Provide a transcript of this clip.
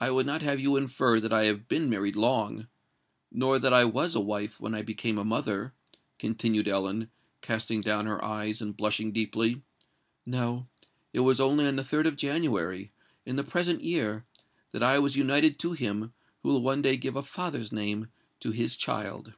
I would not have you infer that I have been married long—nor that I was a wife when I became a mother," continued Ellen, casting down her eyes, and blushing deeply. "No—it was only on the 3d of January, in the present year, that I was united to him who will one day give a father's name to his child."